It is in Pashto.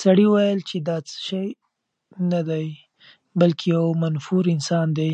سړي وویل چې دا څه شی نه دی، بلکې یو منفور انسان دی.